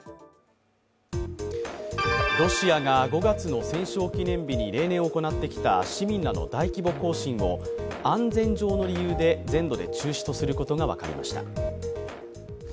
ロシアが５月の戦勝記念日に例年行ってきた市民らの大規模行進を安全上の理由で全土で中止とすることが分かりました。